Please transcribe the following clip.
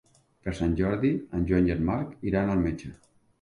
Per Sant Jordi en Joan i en Marc iran al metge.